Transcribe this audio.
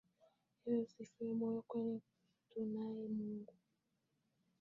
Ewe usife moyo, kwani tunaye Mungu.